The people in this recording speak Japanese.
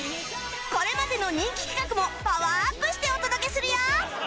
これまでの人気企画もパワーアップしてお届けするよ！